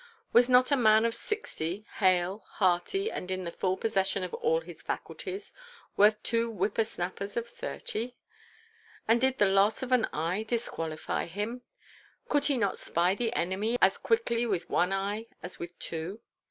Was not a man of sixty, hale, hearty, and in the full possession of all his faculties, worth two whipper snappers of thirty? And did the loss of an eye disqualify him? Could he not spy the enemy as quickly with one eye as with two?